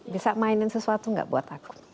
bisa mainin sesuatu nggak buat aku